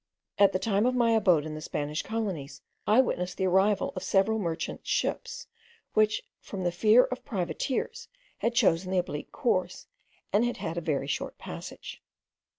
At the time of my abode in the Spanish colonies, I witnessed the arrival of several merchant ships, which from the fear of privateers had chosen the oblique course, and had had a very short passage.